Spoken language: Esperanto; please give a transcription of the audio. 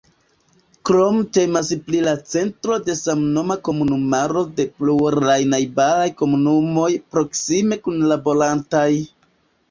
Krome temas pri la centro de samnoma komunumaro de pluraj najbaraj komunumoj proksime kunlaborantaj.